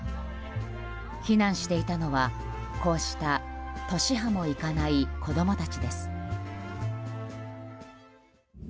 避難していたのは、こうした年端もいかない子供たちです。